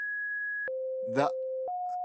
The municipality promises a quiet environment.